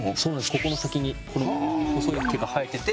ここの先にこの細い毛が生えてて。